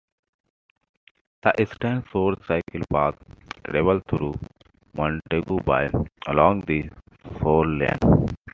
The Eastern shore cycle path travels through Montagu Bay along the shoreline.